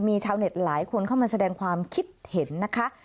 มีชาวเน็ตหลายคนเข้ามาแสดงความคิดเห็นนะคะ